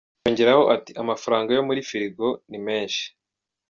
Yongeraho ati “Amafaranga yo muri firigo ni menshi.